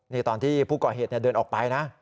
นี่ตอนที่ผู้ก่อเหตุเดินออกไปนะ